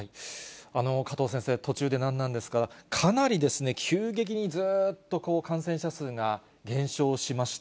加藤先生、途中で何なんですが、かなり急激にずっと感染者数が減少しました。